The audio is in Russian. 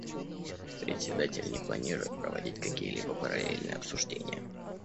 Председатель не планирует проводить какие-либо параллельные обсуждения.